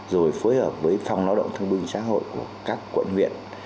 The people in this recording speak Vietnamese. rồi phối hợp với phòng lao động thương binh xã hội của các quận huyện